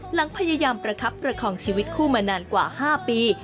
หลังพยายามประคับประคองชีวิตคู่มานานกว่า๕ปี